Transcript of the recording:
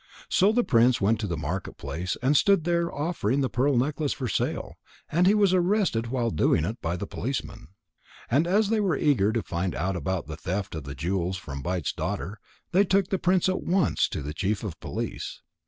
'" So the prince went to the market place and stood there offering the pearl necklace for sale, and he was arrested while doing it by the policemen. And as they were eager to find out about the theft of the jewels from Bite's daughter, they took the prince at once to the chief of police.